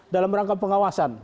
dalam rangka pengawasan